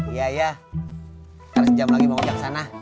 iya iya ntar sejam lagi bang mojak ke sana